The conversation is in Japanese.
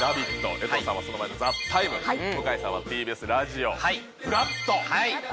江藤さんはその前の「ＴＨＥＴＩＭＥ，」向井さんはＴＢＳラジオはい「＃ふらっと」